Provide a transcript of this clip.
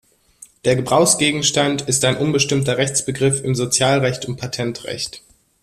Der Gebrauchsgegenstand ist ein unbestimmter Rechtsbegriff im Sozialrecht und Patentrecht.